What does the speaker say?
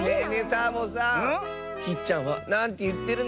サボさんきっちゃんはなんていってるの？